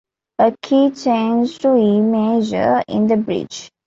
A key change to E major in the bridge.